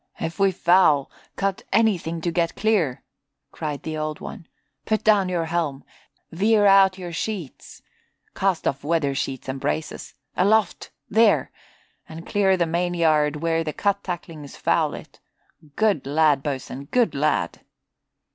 "If we foul, cut anything to get clear!" cried the Old One. "Put down your helm! Veer out your sheets! Cast off weather sheets and braces! Aloft, there, and clear the main yard where the cut tacklings foul it! Good lad, boatswain, good lad!"